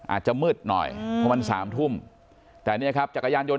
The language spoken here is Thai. อาจจะมืดหน่อยเพราะมันสามทุ่มแต่เนี่ยครับจักรยานยนต